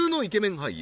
俳優